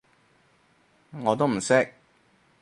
我都唔識